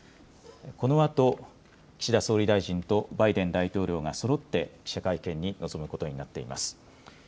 このあと、岸田総理大臣と、バイデン大統領がそろって記者会見に臨むことになっています。